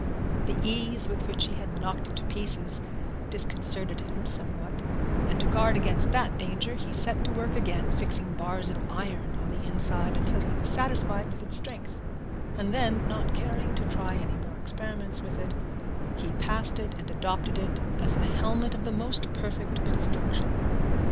The ease with which he had knocked it to pieces disconcerted him somewhat, and to guard against that danger he set to work again, fixing bars of iron on the inside until he was satisfied with its strength; and then, not caring to try any more experiments with it, he passed it and adopted it as a helmet of the most perfect construction.